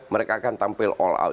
mereka akan tampil all out